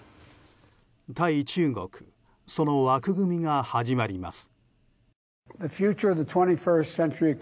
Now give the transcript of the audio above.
対中国その枠組みが始まります。